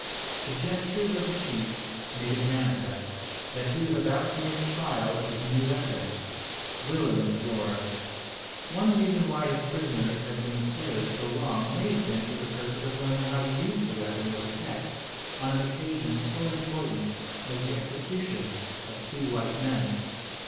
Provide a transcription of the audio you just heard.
The gestures of the chief made it manifest, that he was about to make trial of his new weapon, Willem's roer. One reason why his prisoners had been spared so long may have been for the purpose of learning how to use the weapon with effect, on an occasion so important as the execution of two white men.